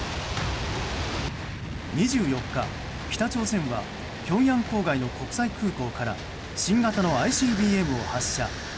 ２４日、北朝鮮はピョンヤン郊外の国際空港から新型のＩＣＢＭを発射。